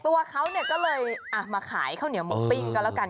ตัวเขาเนี่ยก็เลยมาขายข้าวเหนียวหมูปิ้งก็แล้วกัน